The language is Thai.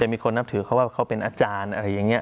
มีคนนับถือเขาว่าเขาเป็นอาจารย์อะไรอย่างนี้